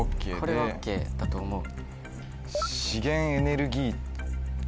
これはＯＫだと思う。